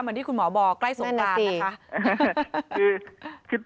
เหมือนที่คุณหมอบอกใกล้สงการนะคะ